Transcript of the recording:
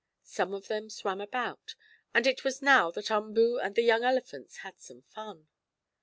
Some of them swam about, and it was now that Umboo and the young elephants had some fun.